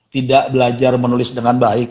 tidak belajar menulis dengan baik